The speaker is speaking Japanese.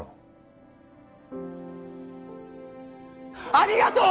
ありがとう！